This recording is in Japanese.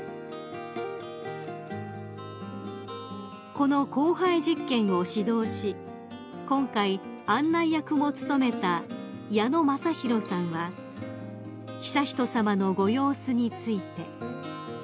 ［この交配実験を指導し今回案内役も務めた矢野昌裕さんは悠仁さまのご様子について］